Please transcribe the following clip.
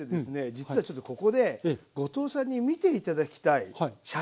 実はちょっとここで後藤さんに見て頂きたい写真があるんですよ。